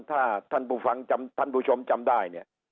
ถ้าท่านผู้ฟังท่านผู้ชมจำได้